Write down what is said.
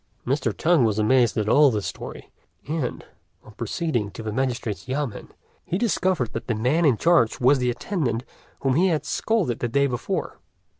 Mr. Tung was amazed at all this story, and, on proceeding to the magistrate's yamên, he discovered that the man in charge was the attendant whom he had scolded the day before.